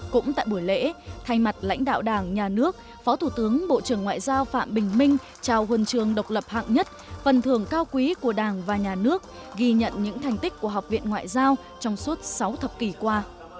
cũng tại buổi lễ thay mặt lãnh đạo đảng nhà nước phó thủ tướng bộ trưởng ngoại giao phạm bình minh trao huân trường độc lập hạng nhất phần thường cao quý của đảng và nhà nước ghi nhận những thành tích của học viện ngoại giao trong suốt sáu thập kỷ qua